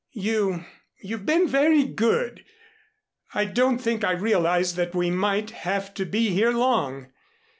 You you've been very good. I don't think I realized that we might have to be here long.